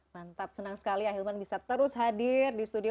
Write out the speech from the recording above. mantap senang sekali ahilman bisa terus hadir di studio